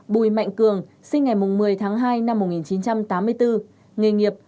bùi mạnh cường sinh ngày một mươi tháng hai năm một nghìn chín trăm tám mươi bốn nghề nghiệp